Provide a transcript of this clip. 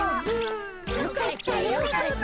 よかったよかった。